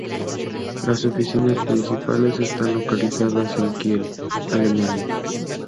Las oficinas principales están localizadas en Kiel, Alemania.